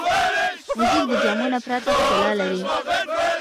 موزیک د جامو نه پرته ښکلا لري.